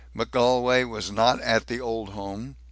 McGolwey was not at the Old Home.